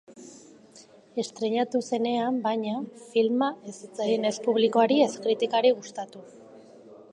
Estreinatu zenean, baina, filma ez zitzaien ez publikoari ez kritikari gustatu.